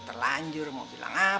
terlanjur mau bilang apa